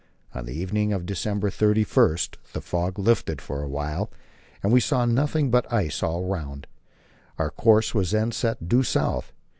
On the evening of December 31 the fog lifted for a while, and we saw nothing but ice all round. Our course was then set due south.